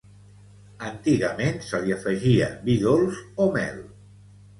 Antigament se li afegia vi dolç o mel.